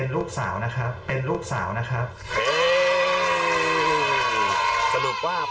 สรุปว่าเป็นลูกสาวนะครับ